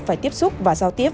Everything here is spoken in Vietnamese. phải tiếp xúc và giao tiếp